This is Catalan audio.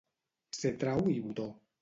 Ser trau i botó.